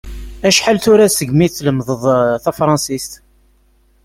Acḥal tura segmi tlemmdeḍ tafransist?